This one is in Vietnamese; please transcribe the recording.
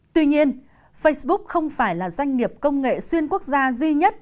tuy nhiên facebook không phải là doanh nghiệp công nghệ xuyên quốc gia duy nhất